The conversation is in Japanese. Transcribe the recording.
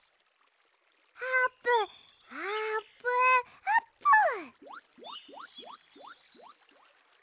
あーぷんあぷんあぷん！